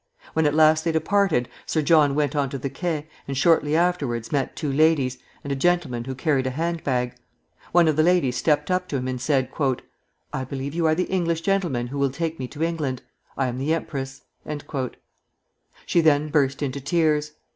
When at last they departed, Sir John went on to the quai, and shortly afterwards met two ladies, and a gentleman who carried a hand bag. One of the ladies stepped up to him and said, "I believe you are the English gentleman who will take me to England. I am the empress." She then burst into tears.